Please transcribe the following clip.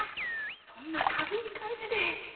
そんな軽い感じで。